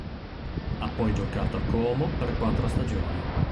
Ha poi giocato a Como per quattro stagioni.